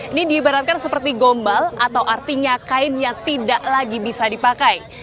ini diibaratkan seperti gombal atau artinya kain yang tidak lagi bisa dipakai